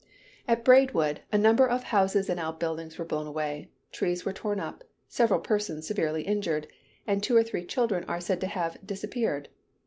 At Braidwood, a number of houses and out buildings were blown away; trees were torn up, several persons severely injured, and two or three children are said to have "disappeared."